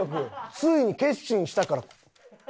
ついに決心したから。